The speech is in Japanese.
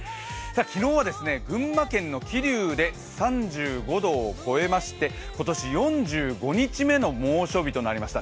昨日は群馬県の桐生で３５度を超えまして今年４５日目の猛暑日となりました。